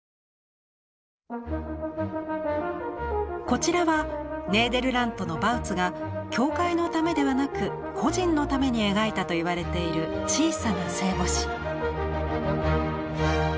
こちらはネーデルラントのバウツが教会のためではなく個人のために描いたと言われている小さな聖母子。